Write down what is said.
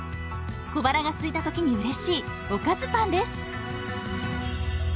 小腹がすいた時にうれしいおかずパンです。